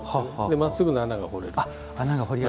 まっすぐな穴が彫れる。